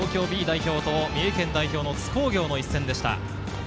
学園と三重県代表の津工業の一戦でした。